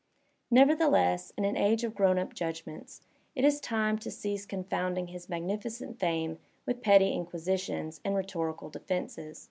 Nevertheless, in an age of grown up judgments, it is time to cease confounding his magnificent fame with petty inquisitions and rhetorical defences.